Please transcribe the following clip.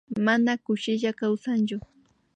Mana kushilla kawsanllu